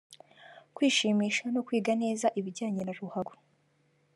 kwishimisha no kwiga neza ibijyanye na ruhago